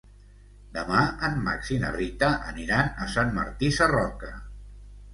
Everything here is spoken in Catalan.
Demà en Max i na Rita aniran a Sant Martí Sarroca.